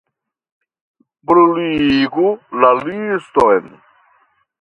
Bruligu la liston.